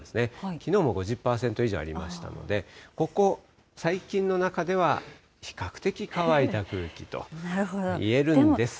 きのうも５０％以上ありましたので、ここ最近の中では、比較的乾いた空気と言えるんですが。